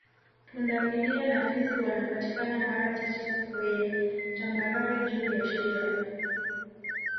Punda milia na fisi wanapatikana mara chache kweye tambarare juu ya Shira